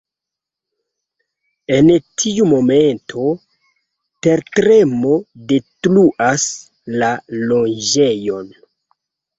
En tiu momento, tertremo detruas la loĝejon.